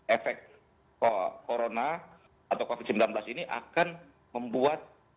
efek corona atau covid sembilan belas ini akan membuat